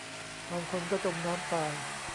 บางคนก็จมน้ำตาย